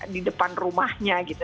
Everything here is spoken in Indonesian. di depan rumahnya gitu